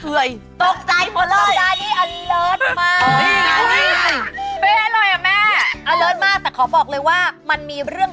เอ้ยเราไม่อยากเอื่อย